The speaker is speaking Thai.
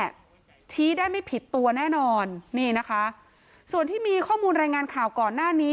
ชี้ได้ไม่ผิดตัวแน่นอนนี่นะคะส่วนที่มีข้อมูลรายงานข่าวก่อนหน้านี้